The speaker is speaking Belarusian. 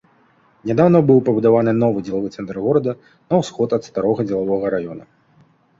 Нядаўна быў пабудаваны новы дзелавы цэнтр горада на ўсход ад старога дзелавога раёна.